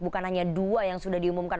bukan hanya dua yang sudah diumumkan